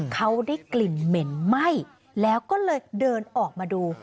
เขาได้กลิ่นเหม็นไหม้แล้วก็เลยเดินออกมาดู